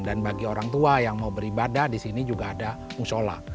dan bagi orang tua yang mau beribadah disini juga ada musyola